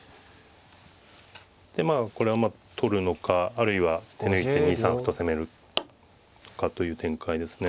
でまあこれは取るのかあるいは手抜いて２三歩と攻めるかという展開ですね。